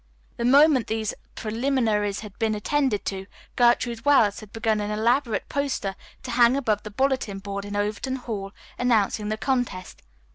The moment these preliminaries had been attended to, Gertrude Wells had begun an elaborate poster to hang above the bulletin board in Overton Hall announcing the contest.